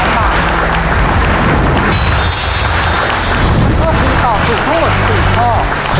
ถูกดีตอบถูกทั้งหมด๔ข้อ